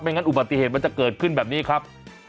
งั้นอุบัติเหตุมันจะเกิดขึ้นแบบนี้ครับ